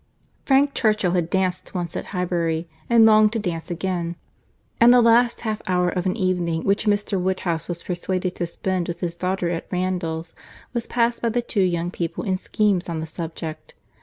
Frank Churchill had danced once at Highbury, and longed to dance again; and the last half hour of an evening which Mr. Woodhouse was persuaded to spend with his daughter at Randalls, was passed by the two young people in schemes on the subject.